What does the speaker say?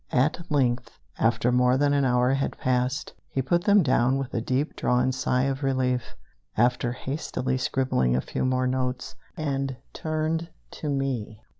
At length, after more than an hour had passed, he put them down with a deep drawn sigh of relief, after hastily scribbling a few more notes, and turned to me.